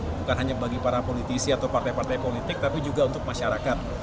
bukan hanya bagi para politisi atau partai partai politik tapi juga untuk masyarakat